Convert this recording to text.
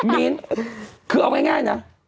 มิ้นคือเอาง่ายนะ